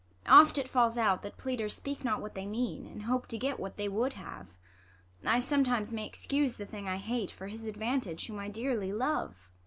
Oft it falls out, That pleaders speak not what they mean, In hope to get what they Avould have. I sometimes may excuse the thing I hate, For his advantage whom I dearly love.